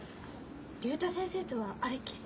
竜太先生とはあれっきり？